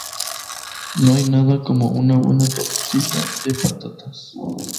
No hay nada como una buena tortilla de patatas